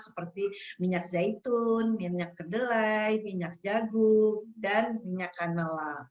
seperti minyak zaitun minyak kedelai minyak jagung dan minyak kanela